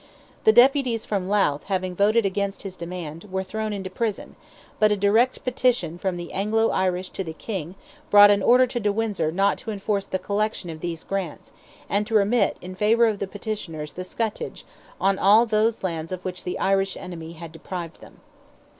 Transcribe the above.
The deputies from Louth having voted against his demand, were thrown into prison; but a direct petition from the Anglo Irish to the King brought an order to de Windsor not to enforce the collection of these grants, and to remit in favour of the petitioners the scutage "on all those lands of which the Irish enemy had deprived them."